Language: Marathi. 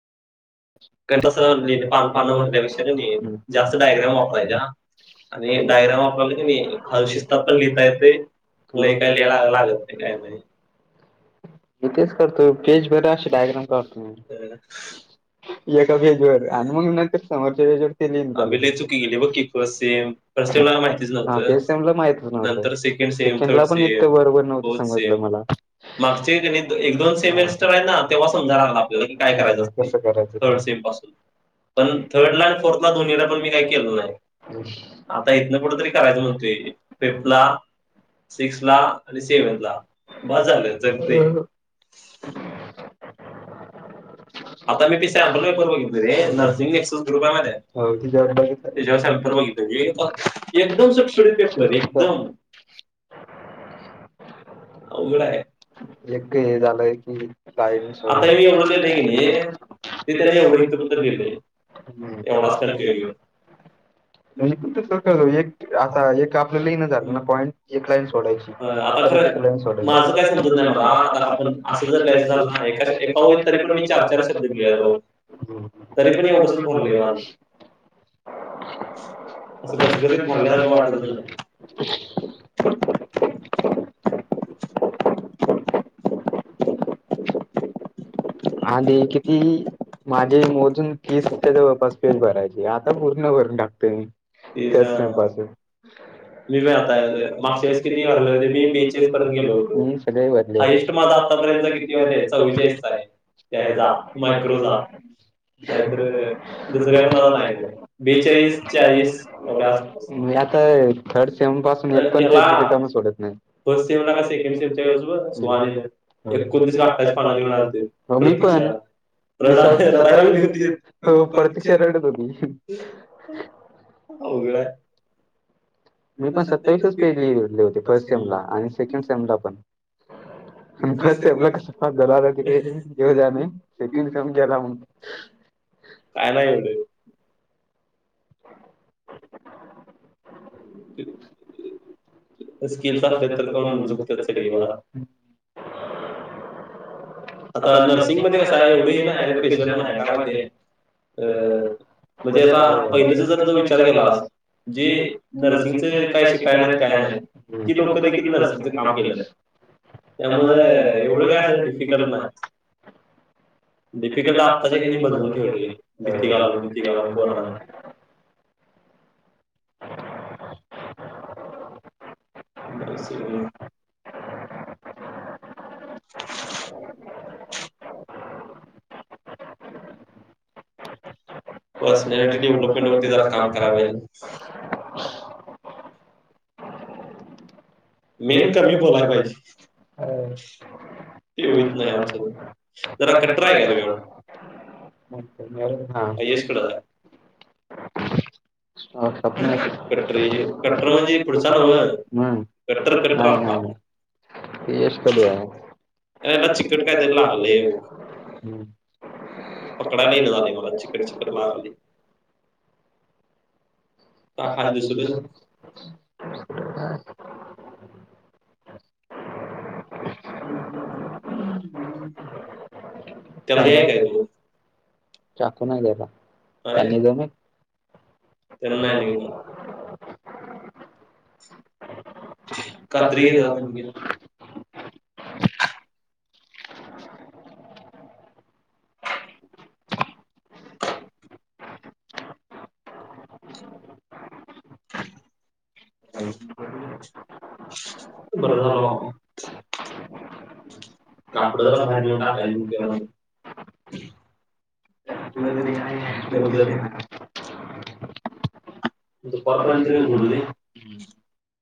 स पाच पंधरा वर्पेक्षा जास्त डायग्राम वापरायच्या. हे डायग्राम वापरून की नाही लिहिता येते. थोडी का घला लागत नाही काय नाही. मी तेच करतो. पेज भर असे डायग्राम काढतो मी. आम्ही लई चुकी केली बघ की, फस सेम फसटवला माहितीच नव्हत. नंतर second same, third same, fourth same मागचे क एक दोन सेमेस्टर आहे ना तेव्हा समजा लागला आपल्याला कि काय करायच असत ते. [unintelligible] पण थर्डला आणि फोर्थला पण मी काय केल नाही. आता इथन पुढे तरी करायच म्हणतो मी. पिपला. सिक्स ला, आणि सेव्हन ला [unintelligible] आता मी बी तिथे आंदोलन करत होते ते नर्सिंग [unintelligible] [unintelligible] [inaudible] एक ते हे झालंय की कायी [unintelligible] ते त्याने एवढे त दिलये एवढाच कंफ्य घऊन [unintelligible] त्याने कस एक आपलं लिहंन झालं ना पॉईंट एक लाईन सोडायची आ लाईन सोड माझं काही समजत नाही ये बाबा आता आपण असं जर लिहायचं झाल ना एक टॉवेल तरी पण मी चार चार शब तरी पण एवढंस भरलंय माझं. [unintelligible] झाल्लंय अजून वाटतच नाहीं. आदे किती माझे मोजून. तीसच्या जवळपास पेज भरायचे आता पूर्ण भरून टाकतोय मी. त्यात नहीं पास. वेगळ्या हातानं लिहायचं, मागच्या वेळेस किती भरले होते मी बेचाळीस पर्यंत गेले होतो. हाईस्ट माझ आतापर्यंत किती माहितीय चौरेचाळीस हजार त्यायचा मायक्रोचा. [unintelligible] दुसऱ्याना म्हणायचा बेचाळीस चाळीस. मी आता थर्ड सेवन पासून एक पण पेज रीकाम सोडत नाही. [unintelligible] मी पण, मी सक सकाळी हो प्रतिक्षा रडत होती. [inaudible] आवगड आहे. मी पण सत्तावीसच पेज लिहवले होते, फर्स्ट सेम ला आणि सेकंड सेम ला पण. [unintelligible] काय नाही एवढं. स्कील चा असले तरी पण झुकत्यात सगळी बा. [inaudible] आता नर्सिंग मध्ये कसं आहे एवढं हे नाही रे प्रेशर नाही आहे का माहिती अ. म्हणजे आता पहिलेच जर त विचार केलास. जे नर्सिंगच काय शिकायला काय नाईत, ती लोकं देखील नर्सिंगच काम केलत‌. त्यामुळ, एवढं काय असं डिफिकल्ट नाही. डिफिकल्ट आत्ताच्या हेणी बनवून ठेवलय, भीती घालून, भीती घालून, पोरांना. बास हे मं. [inaudible] [unintelligible] डोके जरा काम करावेल. मेन कमी बोलनार पाहिजे. ते होत नाही असं बोलतो [unintelligible] [unintelligible] कटर म्हनजे पुढचा नवं. नाय नाय ते यशकडे आहे. यायला टिकट काय त्याच लागलय. पकडा नही [unintelligible] चिकनं चिकनं लागलय. [unintelligible] [inaudible] त्याम हायी काय केल. चाकू नाही तेला, [unintelligible] दे मग. ते न नाही निगनार. कात्रि घे जरा ती बघुया. ह [unintelligible] बर झाल बाबा! कापडं जरा भाईर निऊन टाकायची हुती जरा. [unintelligible] तु कॉल केलेलं तरी बोलू दे.